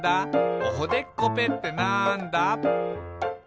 「おほでっこぺってなんだ？」